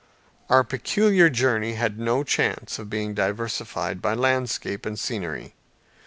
Our peculiar journey had no chance of being diversified by landscape and scenery.